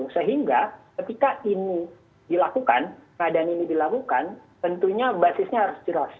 sehingga ketika ini dilakukan pengadaan ini dilakukan tentunya basisnya harus jelas